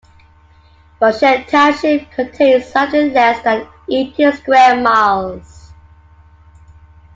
Goshen Township contains slightly less than eighteen square miles.